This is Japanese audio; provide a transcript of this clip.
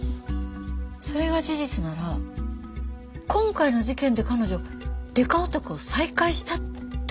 それが事実なら今回の事件で彼女デカオタクを再開したって事になりますよね。